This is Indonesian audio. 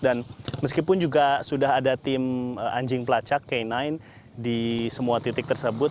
dan meskipun juga sudah ada tim anjing pelacak kainain di semua titik tersebut